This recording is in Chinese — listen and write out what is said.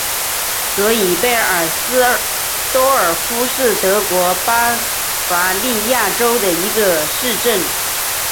索伊贝尔斯多尔夫是德国巴伐利亚州的一个市镇。